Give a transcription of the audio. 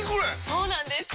そうなんです！